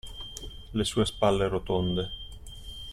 Le sue spalle rotonde.